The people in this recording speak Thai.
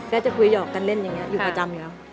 ก็จะคุยหยอกกันเล่นอย่างนี้อยู่ประจำอยู่แล้ว